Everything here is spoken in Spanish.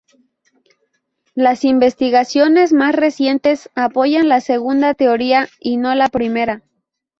Las investigaciones más recientes apoyan la segunda teoría, y no la primera.